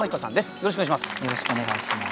よろしくお願いします。